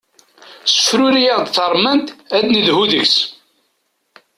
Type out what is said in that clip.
Ssefruri-aɣ-d taremmant ad nedhu deg-s.